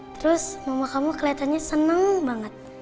terus mama kamu keliatannya seneng banget